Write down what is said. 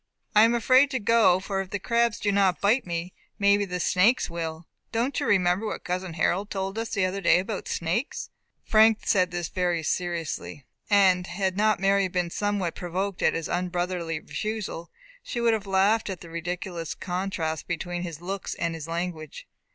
"I am afraid to go, for if the crabs do not bite me maybe the snakes will. Don't you remember what cousin Harold told us the other day about snakes." Frank said this very seriously, and had not Mary been somewhat provoked at his unbrotherly refusal, she would have laughed at the ridiculous contrast between his looks and his language.